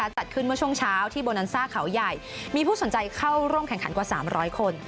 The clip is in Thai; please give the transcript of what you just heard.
จัดขึ้นเมื่อช่วงเช้าที่โบนันซ่าเขาใหญ่มีผู้สนใจเข้าร่วมแข่งขันกว่า๓๐๐คน